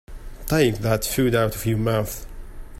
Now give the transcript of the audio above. Take that food out of your mouth.